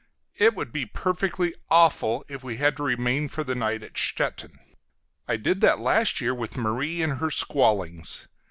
It would be perfectly awful if we had to remain for the night at Stettin. I did that last year with Marie and her squallings.